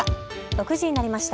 ６時になりました。